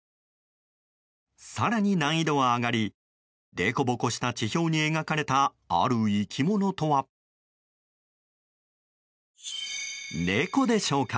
更に難易度は上がりでこぼこした地表に描かれたある生き物とは猫でしょうか。